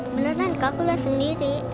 beneran kak aku gak sendiri